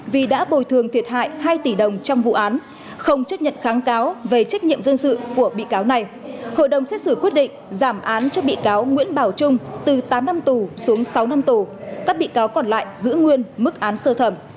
vì đã bồi thường thiệt hại hai tỷ đồng trong vụ án không chấp nhận kháng cáo về trách nhiệm dân sự của bị cáo này hội đồng xét xử quyết định giảm án cho bị cáo nguyễn bảo trung từ tám năm tù xuống sáu năm tù các bị cáo còn lại giữ nguyên mức án sơ thẩm